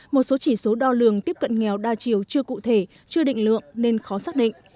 một số chỉ số đo lường tiếp cận nghèo đa chiều chưa cụ thể chưa định lượng nên khó xác định